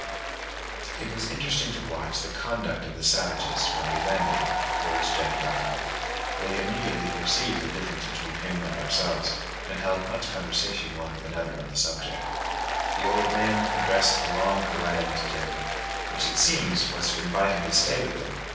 It was interesting to watch the conduct of the savages, when we landed, towards Jemmy Button: they immediately perceived the difference between him and ourselves, and held much conversation one with another on the subject. The old man addressed a long harangue to Jemmy, which it seems was to invite him to stay with them.